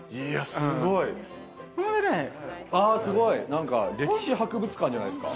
なんか歴史博物館じゃないですか。